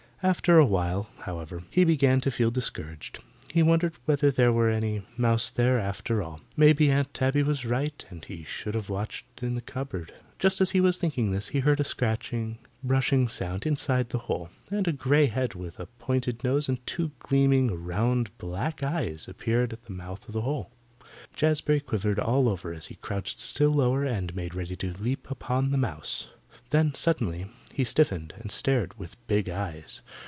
After a while, however, he began to feel discouraged. He wondered whether there were any mouse there after all. Maybe Aunt Tabby was right, and he should have watched in the cupboard. Just as he was thinking this he heard a scratching, brushing sound inside the hole, and a grey head with a pointed nose and two gleaming round black eyes appeared at the mouth of the hole. Jazbury quivered all over as he crouched still lower and made ready to leap upon the mouse. Then suddenly he stiffened and stared with big eyes.